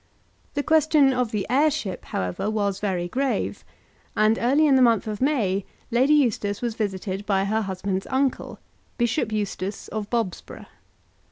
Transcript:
The question of the heirship, however, was very grave, and early in the month of May Lady Eustace was visited by her husband's uncle, Bishop Eustace, of Bobsborough.